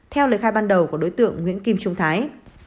theo lời khai ban đầu của đối tượng nguyễn kim trung thái